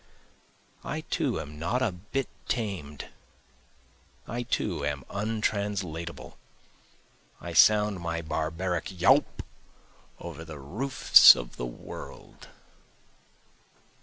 I too am not a bit tamed, I too am untranslatable, I sound my barbaric yawp over the roofs of the world.